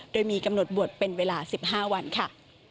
โดยมีกำหนดบวชเป็นเวลา๑๕วันค่ะ